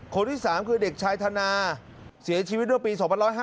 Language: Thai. คนที่สามคือเด็กชายธนาเสียชีวิตด้วยปี๒๕๙